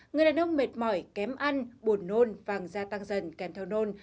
người đàn ông mệt mỏi kém ăn buồn nôn vàng da tăng dần kèm theo nôn